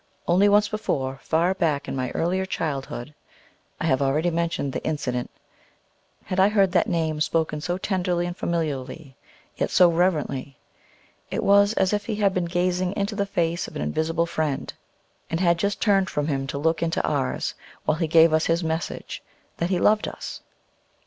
Once only before, far back in my earlier childhood I have already mentioned the incident had I heard that Name spoken so tenderly and familiarly, yet so reverently. It was as if he had been gazing into the face of an invisible Friend, and bad just turned from Him to look into ours, while he gave us his message, that He loved us.